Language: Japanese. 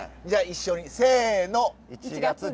じゃあ一緒にせの！